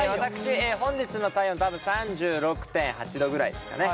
本日の体温多分３６．８度ぐらいですかね。